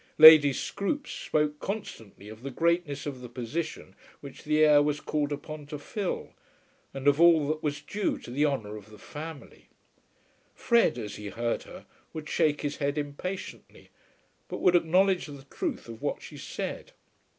Lady Scroope spoke constantly of the greatness of the position which the heir was called upon to fill and of all that was due to the honour of the family. Fred, as he heard her, would shake his head impatiently, but would acknowledge the truth of what she said.